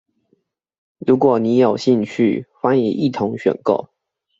如果你也有興趣，歡迎一同選購。